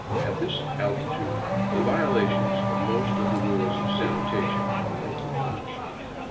At this altitude the violation of most of the rules of sanitation are lightly punished.